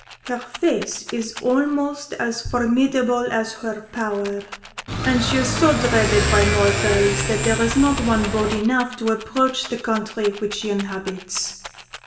Her face is almost as formidable as her power, and she is so dreaded by mortals that there is not one bold enough to approach the country which she inhabits.